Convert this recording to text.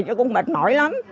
thì cũng mệt mỏi lắm